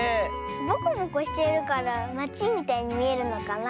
ボコボコしてるからまちみたいにみえるのかな。